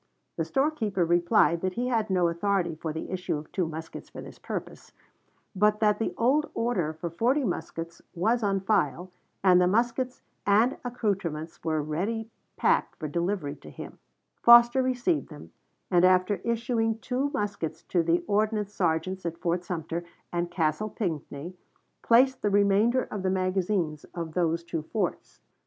The storekeeper replied that he had no authority for the issue of two muskets for this purpose, but that the old order for forty muskets was on file, and the muskets and accouterments were ready packed for delivery to him. Foster received them, and after issuing two muskets to the ordnance sergeants at Fort Sumter and Castle Pinckney, placed the remainder in the magazines of those two forts. Humphreys to Foster, Dec. 18, 1860. W.R. Vol.